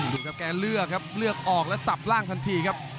ดูครับแกเลือกครับเลือกออกแล้วสับล่างทันทีครับ